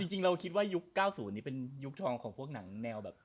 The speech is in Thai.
อยากคิดว่ายุค๙๐นี้เป็นยุคทองของของพวกหนังแนวแบบ